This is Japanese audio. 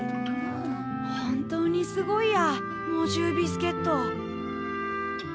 本当にすごいや猛獣ビスケット。